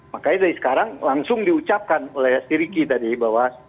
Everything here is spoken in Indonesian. makanya dari sekarang langsung diucapkan oleh si riki tadi bahwa